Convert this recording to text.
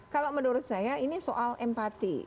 kalau menurut saya ini soal empati